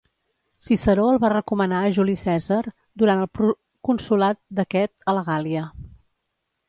Ciceró el va recomanar a Juli Cèsar durant el proconsolat d'aquest a la Gàl·lia.